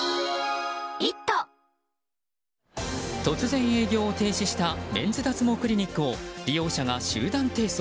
突然、営業を停止したメンズ脱毛クリニックを利用者が集団提訴。